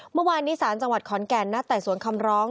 เมื่อวานนี้ศาลจังหวัดขอนแก่นนัดไต่สวนคำร้อง